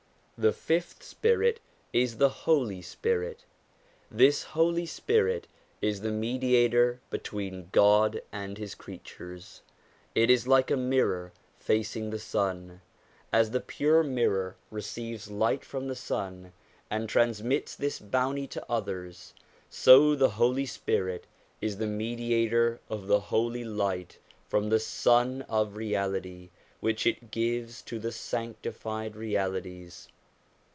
The fifth spirit is the Holy Spirit. This Holy Spirit is the mediator between God and His creatures. It is like a mirror facing the sun. As the pure mirror receives light from the sun and transmits this bounty to others, so the Holy Spirit is the mediator of the Holy Light from the Sun of Reality, which it gives to the sanctified realities.